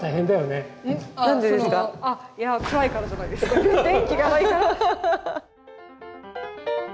それが電気がないから。